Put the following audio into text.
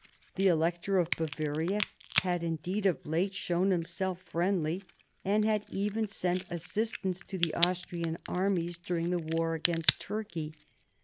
The Elector of Bavaria had indeed of late shown himself friendly, and had even sent assistance to the Austrian armies during the war against Turkey.